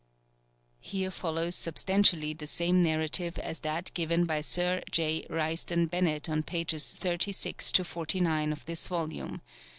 [Here follows substantially the same narrative as that given by Sir J. Risdon Bennett on pages 36 to 49 of this volume.